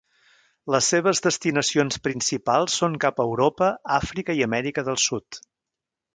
Les seves destinacions principals són cap a Europa, Àfrica i Amèrica del Sud.